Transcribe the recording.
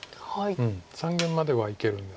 三間まではいけるんですけど。